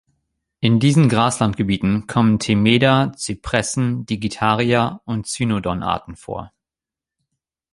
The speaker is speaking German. In diesen Graslandgebieten kommen „Themeda“-, Zypressen-, „Digitaria“- und „Cynodon“-Arten vor.